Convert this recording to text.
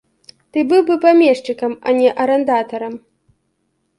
Ты быў бы памешчыкам, а не арандатарам.